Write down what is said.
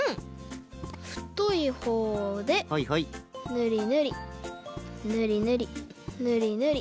ふといほうでぬりぬりぬりぬりぬりぬり。